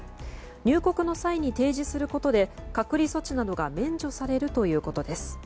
入国の際に提示することで隔離措置などが免除されるということです。